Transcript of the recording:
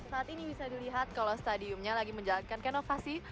saat ini bisa dilihat kalau stadiumnya lagi menjalankan konovasi